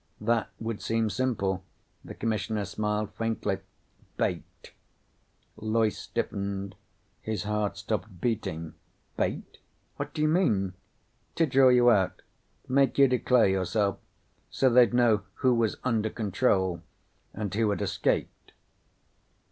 "That would seem simple." The Commissioner smiled faintly. "Bait." Loyce stiffened. His heart stopped beating. "Bait? What do you mean?" "To draw you out. Make you declare yourself. So they'd know who was under control and who had escaped."